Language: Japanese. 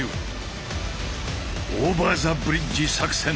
「オーバー・ザ・ブリッジ作戦」